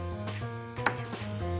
よいしょ。